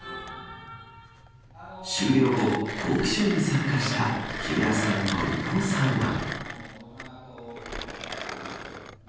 終了後、トークショーに参加した木村さんと伊藤さんは。